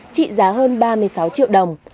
trị giá hơn ba mươi sáu triệu đồng